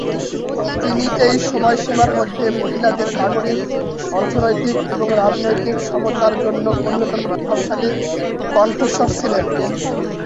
তিনি এই সময়সীমার মধ্যে মহিলাদের নাগরিক, অর্থনৈতিক এবং রাজনৈতিক সমতার জন্য অন্যতম প্রভাবশালী কণ্ঠস্বর ছিলেন।